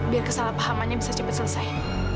biar kesalahpahamannya bisa cepat selesai